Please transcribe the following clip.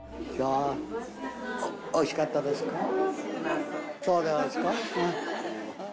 おいしかったですか？